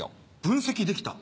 分析できた？